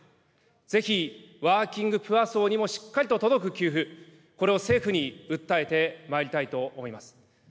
ぜひ、ワーキングプア層にもしっかりと届く給付、これを政府に訴えてまいりたいと思います。